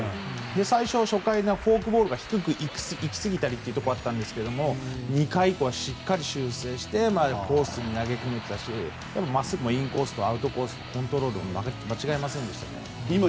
最初、初回フォークボールが低く行きすぎたりということがあったんですが２回以降はしっかり修正してコースに投げ込めてたしまっすぐもインコースとアウトコースのコントロールを間違えませんでした。